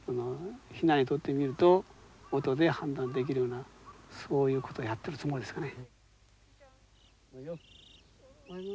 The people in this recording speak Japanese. ヒナにとってみると音で判断できるようなそういうことをやってるつもりですがね。